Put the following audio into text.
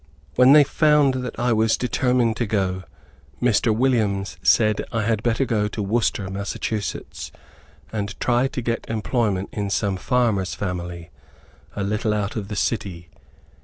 When they found that I was determined to go, Mr. Williams said I had better go to Worcester, Mass., and try to get employment in some farmer's family, a little out of the city.